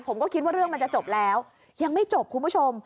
ผมก็คิดว่าเรื่องมันจะจบแล้วยังไม่จบคุณผู้ชม